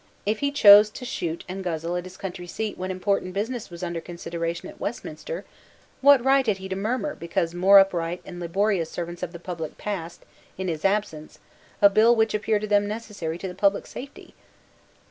If he chose to shoot and guzzle at his country seat when important business was under consideration at Westminster, what right had he to murmur because more upright and laborious servants of the public passed, in his absence, a bill which appeared to them necessary to the public safety?